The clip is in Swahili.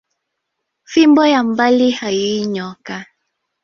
Fimbo ya mbali hayiuwi nyoka